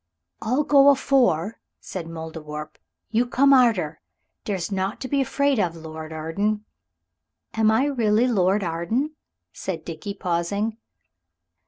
"I'll go afore," said the Mouldiwarp, "you come arter. Dere's naught to be afeared on, Lord Arden." "Am I really Lord Arden?" said Dickie, pausing.